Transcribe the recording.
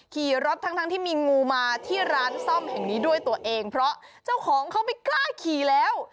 ขี่รถทั้งที่มีงูมาที่ร้านซ่อมแห่งนี้ด้วยตัวเองเพราะเจ้าของเขาไม่กล้าขี่แล้ว